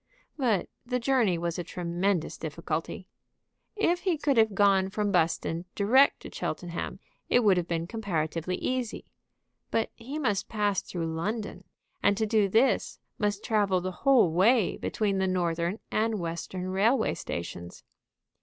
But the journey was a tremendous difficulty. If he could have gone from Buston direct to Cheltenham it would have been comparatively easy. But he must pass through London, and to do this must travel the whole way between the Northern and Western railway stations.